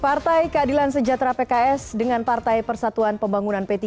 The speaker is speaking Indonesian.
partai keadilan sejahtera pks dengan partai persatuan pembangunan p tiga